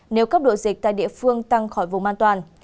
nếu cấp độ dịch tại địa phương tăng khỏi vùng an toàn